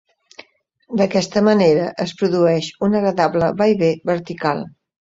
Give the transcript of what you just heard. D'aquesta manera, es produeix un agradable vaivé vertical.